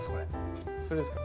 それですか？